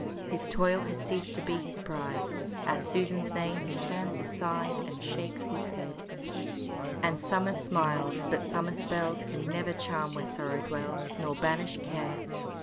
His toil has ceased to be his pride, At Susan's name he turns aside, And shakes his head. And summer smiles, but summer spells Can never charm where sorrow dwells, Nor banish care.